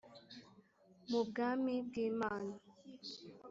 mu bwami bw imana